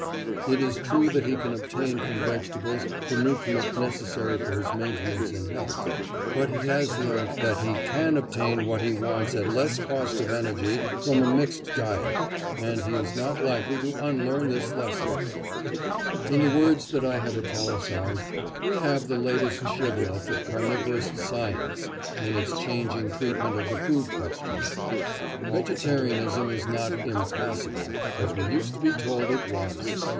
It is true that he can obtain from vegetables the nutriment necessary for his maintenance in health, but he has learnt that he can obtain what he wants at less cost of energy from a mixed diet, and he is not likely to unlearn this lesson." Footnote 26: British Medical Journal, June 4, 1898. In the words that I have italicised we have the latest shibboleth of carnivorous "science" in its changing treatment of the food question. Vegetarianism is not "impossible" (as we used to be told it was)!